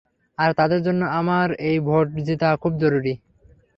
আর তাদের জন্য আমার এই ভোট জিতা খুব জরুরী।